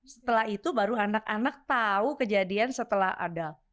setelah itu baru anak anak tahu kejadian setelah ada